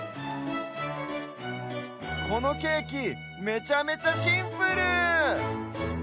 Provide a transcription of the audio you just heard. このケーキめちゃめちゃシンプル！